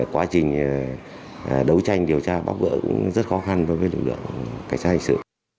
quá trình đấu tranh điều tra bảo vệ cũng rất khó khăn với lực lượng cảnh sát hành sự